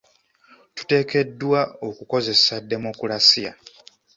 Tuteekeddwa okukozesa demokulasiya.